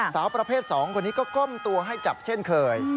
สาวประเภท๒คนนี้ก็ก้มตัวให้จับเช่นเคย